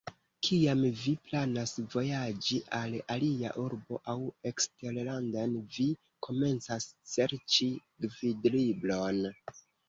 Kiam vi planas vojaĝi al alia urbo aŭ eksterlanden, vi komencas serĉi gvidlibron.